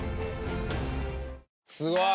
すごい！